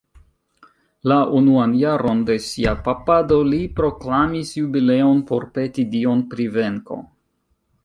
La unuan jaron de sia papado, li proklamis jubileon por peti Dion pri venko.